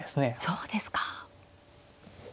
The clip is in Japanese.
そうですか。